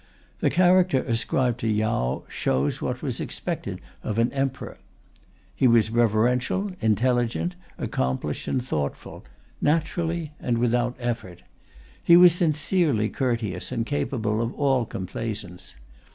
The character ascribed to Yao shows what was expected of an Emperor: He was reverential, intelligent, accomplished, and thoughtful naturally and without effort. He was sincerely courteous, and capable of all complaisance.